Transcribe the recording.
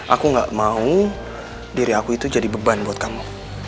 aku gak mau diri aku itu jadi beban buat kamu